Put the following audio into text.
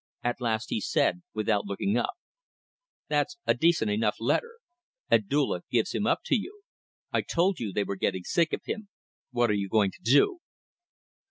At last he said without looking up "That's a decent enough letter. Abdulla gives him up to you. I told you they were getting sick of him. What are you going to do?"